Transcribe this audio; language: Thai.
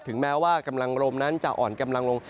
แม้ว่ากำลังลมนั้นจะอ่อนกำลังลง